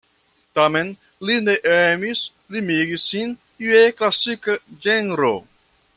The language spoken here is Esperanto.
Tamen li ne emis limigi sin je klasika ĝenro.